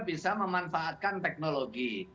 bisa memanfaatkan teknologi